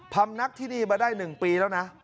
พรรมนักที่นี่มาได้หนึ่งปีแล้วนะ